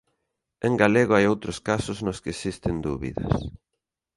En galego hai outros casos nos que existen dúbidas.